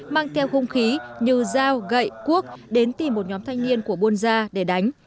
mang theo hung khí như dao gậy cuốc đến tìm một nhóm thanh niên của buôn gia để đánh